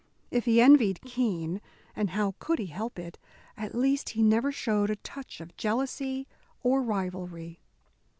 If he envied Keene and how could he help it at least he never showed a touch of jealousy or rivalry.